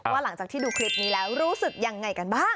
หลังจากที่ดูคลิปนี้แล้วรู้สึกยังไงกันบ้าง